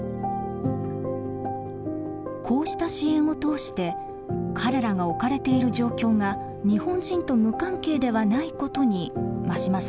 こうした支援を通して彼らが置かれている状況が日本人と無関係ではないことに馬島さんは気付きます。